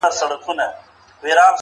انارکلي اوښکي دي مه تویوه،